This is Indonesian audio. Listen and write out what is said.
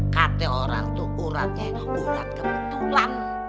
katanya orang tuh uratnya urat kebetulan